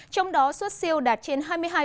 trong đó xuất siêu đạt trên hai mươi hai